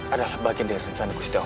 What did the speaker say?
adalah bagian dari rencana gusti allah